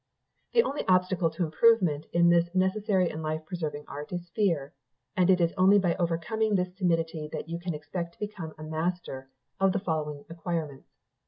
"The only obstacle to improvement in this necessary and life preserving art is fear: and it is only by overcoming this timidity that you can expect to become a master of the following acquirements.